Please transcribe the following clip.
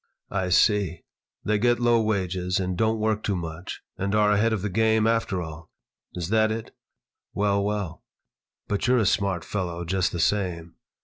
"I see. They get low wages and don't work too much and are ahead of the game, after all. Is that it? Well, well. But you're a smart fellow, just the same."